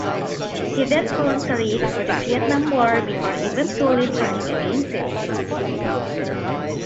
He then volunteered for the Vietnam War before eventually turning against it.